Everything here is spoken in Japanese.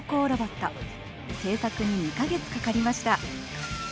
製作に２か月かかりました。